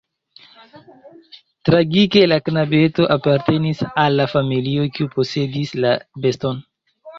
Tragike la knabeto apartenis al la familio, kiu posedis la beston.